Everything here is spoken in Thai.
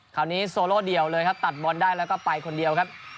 คราวนี้โซโลเดียวเลยครับตัดบอลได้แล้วก็ไปคนเดียวครับ